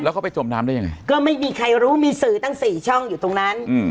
เขาไปจมน้ำได้ยังไงก็ไม่มีใครรู้มีสื่อตั้งสี่ช่องอยู่ตรงนั้นอืม